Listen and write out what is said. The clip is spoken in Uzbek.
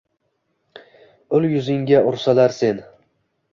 Ul yuzingga ursalar sen